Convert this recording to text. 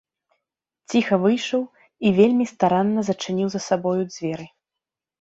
Ціха выйшаў і вельмі старанна зачыніў за сабою дзверы.